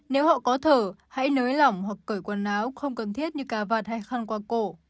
nếu họ có thở hãy nới lỏng hoặc cởi quần áo không cần thiết như cà vạt hay khăn qua cổ